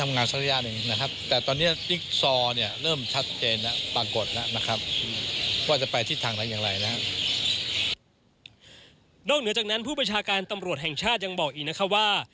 นอกจากนั้นผู้ประชาการตำรวจแห่งชาติยังบอกอีกนะคะว่า